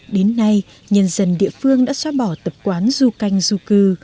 đến nay nhân dân địa phương đã xóa bỏ tập quán du canh du cư